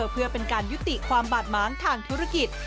เพื่อเป็นการยุติความบาดม้างทางธุรกิจ